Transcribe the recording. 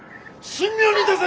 神妙にいたせ！